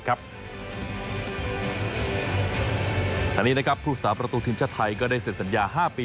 ผู้สาประตูสหรับทีมชาติไทยเสียมา๕ปี